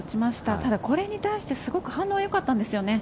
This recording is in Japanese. ただ、これに対してすごく反応がよかったんですよね。